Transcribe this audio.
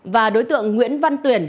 và đối tượng nguyễn văn tuyển